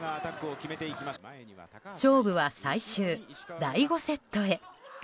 勝負は最終、第５セットへ。